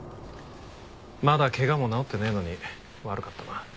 まだ怪我も治ってねえのに悪かったな。